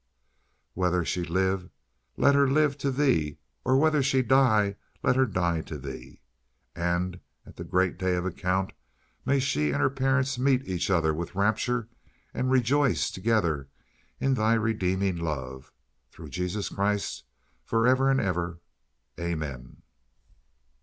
Whether she live, let her live to Thee; or whether she die, let her die to Thee. And, at the great day of account, may she and her parents meet each other with rapture and rejoice together in Thy redeeming love, through Jesus Christ, forever and ever, Amen."